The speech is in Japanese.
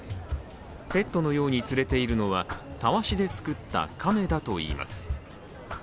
ペットのように連れているのは、たわしで作った亀だといいます。